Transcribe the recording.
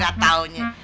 gak tau nya